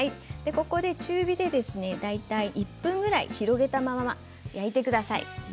ここで中火でですね大体１分ぐらい広げたまま焼いてください。